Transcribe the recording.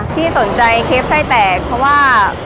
ที่สนใจเคปไส้แตกเพราะว่า